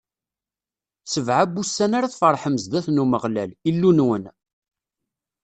Sebɛa n wussan ara tfeṛḥem zdat n Umeɣlal, Illu-nwen.